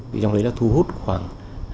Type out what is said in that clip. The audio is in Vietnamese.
vì trong đấy là thu hút khoảng